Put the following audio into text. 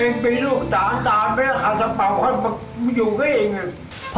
แม่งเป็นลูกตาตาแม่ขาดสะเป๋ามันอยู่กับเอง